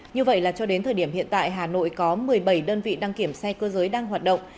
như vậy là cho đến thời điểm hiện tại hà nội có một mươi bảy đơn vị đăng kiểm xe cơ giới đang hoạt động